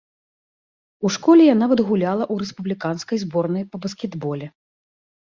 У школе я нават гуляла ў рэспубліканскай зборнай па баскетболе.